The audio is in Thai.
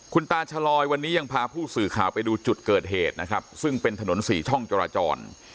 คุณตาชะลอยวันนี้ยังพาผู้สื่อข่าวไปดูจุดเกิดเหตุนะครับซึ่งเป็นถนนสี่ช่องจราจร